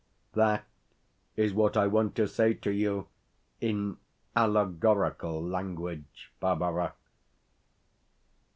That is what I want to say to you in allegorical language, Barbara.